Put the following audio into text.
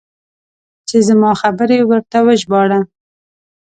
چې زما خبرې ورته وژباړه.